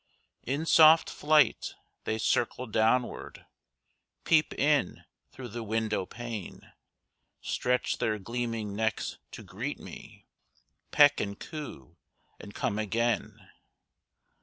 In soft flight, they circle downward, Peep in through the window pane; Stretch their gleaming necks to greet me, Peck and coo, and come again.